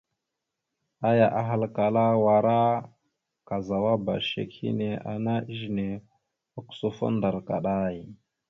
Aya ahalkala: « Wara kazawaba shek hine ana ezine ogǝsufo ndar kaɗay ».